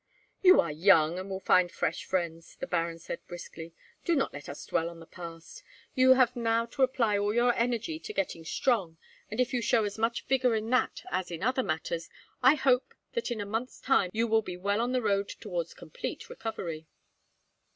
"You are young, and will find fresh friends," the baron said, briskly. "Do not let us dwell on the past. You have now to apply all your energy to getting strong, and if you show as much vigour in that, as in other matters, I hope that in a month's time you will be well on the road towards complete recovery."